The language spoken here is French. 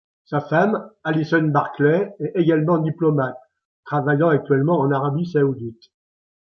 Sa femme, Alison Barkley, est également diplomate, travaillant actuellement en Arabie saoudite.